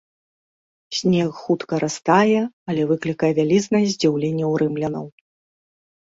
Снег хутка растае, але выклікае вялізнае здзіўленне ў рымлянаў.